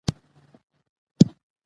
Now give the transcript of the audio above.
ګورګاني هند هم په دغه شخړه کې لاس درلود.